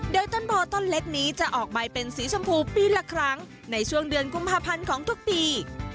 โดยต้นโพต้นเล็กนี้จะออกใบเป็นสีชมพูปีละครั้งในช่วงเดือนกุมภาพันธ์ของทุกปี